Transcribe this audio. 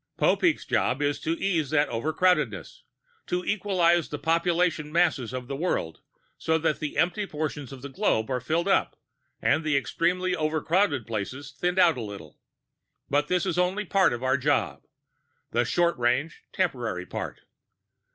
Popeek's job is to ease that overcrowdedness, to equalize the population masses of the world so that the empty portions of the globe are filled up and the extremely overcrowded places thinned out a little. But this is only part of our job the short range, temporary part.